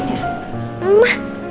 ma kita saparin yuk